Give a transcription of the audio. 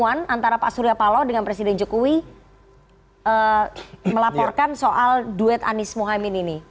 pada saat pertemuan antara pak surya paloh dengan presiden jokowi melaporkan soal duet anis muhammad ini